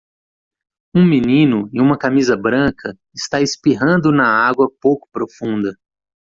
Um menino em uma camisa branca está espirrando na água pouco profunda.